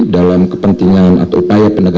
dalam kepentingan atau upaya penegakan